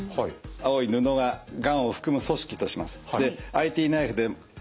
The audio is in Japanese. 青い布ががんを含む組織とします。